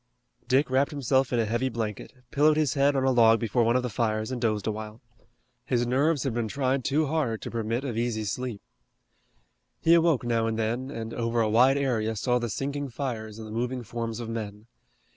Dick wrapped himself in a heavy blanket, pillowed his head on a log before one of the fires and dozed a while. His nerves had been tried too hard to permit of easy sleep. He awoke now and then and over a wide area saw the sinking fires and the moving forms of men.